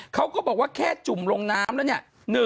เขาก็บอกว่าแค่จุ่มลงน้ำแล้วเนี่ย